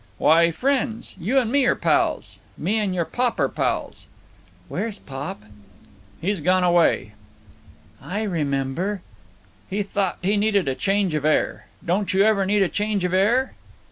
"Why, friends. You and me are pals. Me and your pop are pals." "Where's pop?" "He's gone away." "I remember." "He thought he needed a change of air. Don't you ever need a change of air?"